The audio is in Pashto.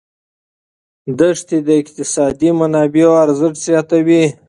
دښتې د اقتصادي منابعو ارزښت زیاتوي.